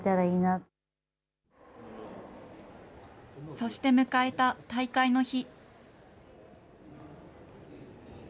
そして迎えた大会の日。